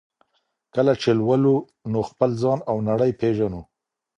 کله چي لولو نو خپل ځان او نړۍ پېژنو.